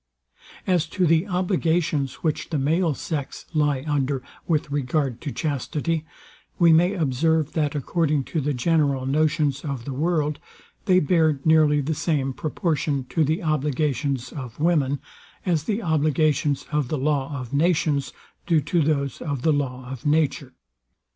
As to the obligations which the male sex lie under, with regard to chastity, we may observe, that according to the general notions of the world, they bear nearly the same proportion to the obligations of women, as the obligations of the law of nations do to those of the law of nature.